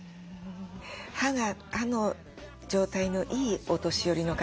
歯の状態のいいお年寄りの方